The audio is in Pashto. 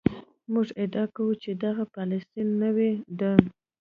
موږ ادعا کوو چې دغه پالیسي نوې ده.